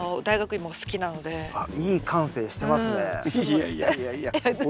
いやいやいやいや。